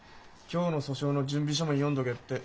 今日の訴訟の準備書面読んどけって。